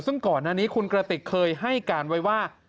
ซึ่งก่อนอันนี้คุณกระติกเคยให้การไว้ว่า